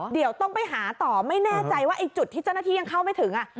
เดี๋ยวต้องไปหาต่อไม่แน่ใจว่าไอ้จุดที่เจ้าหน้าที่ยังเข้าไม่ถึง